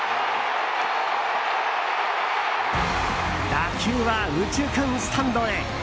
打球は右中間スタンドへ。